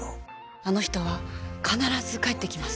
あの人は必ず帰ってきます